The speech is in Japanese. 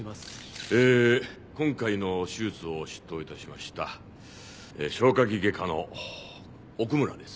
えー今回の手術を執刀いたしました消化器外科の奥村です。